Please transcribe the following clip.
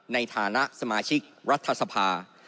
ในฐานะสมาชิกรัฐสภา